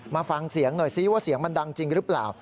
มาฟังเสียงหน่อยซิว่าเสียงมันดังจริงหรือเปล่า